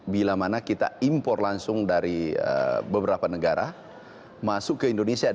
bila mana kita impor langsung dari beberapa negara masuk ke indonesia